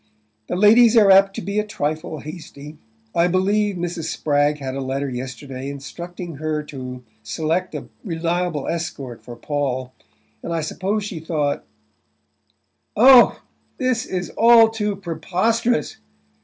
"The ladies are apt to be a trifle hasty. I believe Mrs. Spragg had a letter yesterday instructing her to select a reliable escort for Paul; and I suppose she thought " "Oh, this is all too preposterous!"